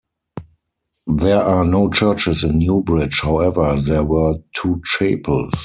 There are no churches in Newbridge, however there were two chapels.